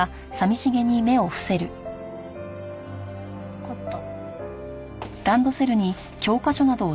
わかった。